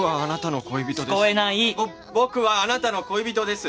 僕はあなたの恋人です！